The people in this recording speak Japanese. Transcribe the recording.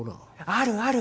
あるある。